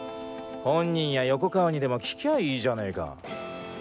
本人や横川にでも聞きゃいじゃねえか。